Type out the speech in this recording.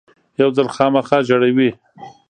یو ځل خامخا ژړوي .